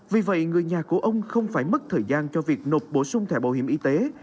vì vậy người nhà của ông không phải mất thời gian cho việc nộp bổ sung thẻ bảo hiểm y tế